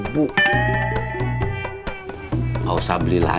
atau kalau ada pertempuran medidas